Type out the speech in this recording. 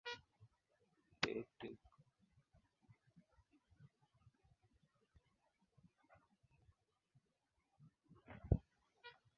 Abhanyabhas Wanyabasi Abhaireghe Wairege nakadhalika